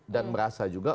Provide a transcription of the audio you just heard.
dan merasa juga